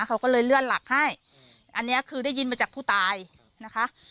เขาก็เลยเลื่อนหลักให้อันนี้คือได้ยินมาจากผู้ตายนะคะ